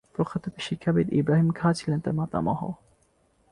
প্রখ্যাত শিক্ষাবিদ ইবরাহীম খাঁ ছিলেন তার মাতামহ।